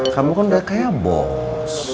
kamu kan gak kayak bos